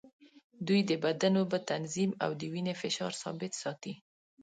دوی د بدن اوبه تنظیم او د وینې فشار ثابت ساتي.